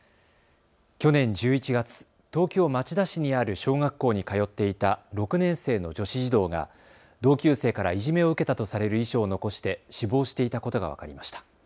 去年１１月、東京町田市にある小学校に通っていた６年生の女子児童が同級生からいじめを受けたとされる遺書を残して死亡していたことが分かりました。